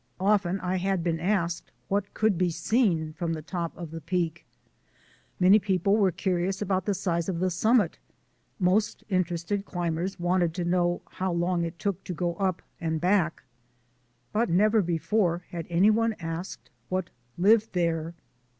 Often I had been asked what could be seen from the top of the Peak; many people were curious about the size of the summit; most interested climb ers wanted to know how long it took to go up and back; but never before had any one asked what lived there.